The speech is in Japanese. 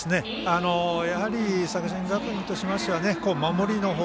やはり作新学院としましては守りの方